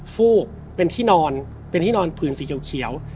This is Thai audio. ฟูกเป็นที่นอนเป็นที่นอนผื่นสีเขียว